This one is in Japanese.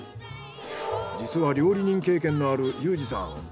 実は料理人経験のある裕二さん。